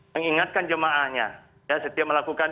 mengingatkan jemaahnya setiap melakukan